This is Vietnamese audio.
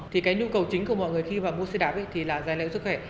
thì cái nhu cầu chính của mọi người khi vào mua xe đạp thì là giá lợi sức khỏe